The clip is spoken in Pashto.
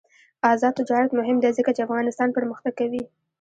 آزاد تجارت مهم دی ځکه چې افغانستان پرمختګ کوي.